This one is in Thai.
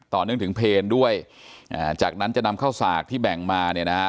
เนื่องถึงเพลด้วยอ่าจากนั้นจะนำเข้าสากที่แบ่งมาเนี่ยนะฮะ